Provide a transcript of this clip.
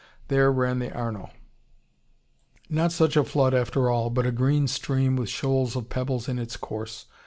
There ran the Arno: not such a flood after all, but a green stream with shoals of pebbles in its course.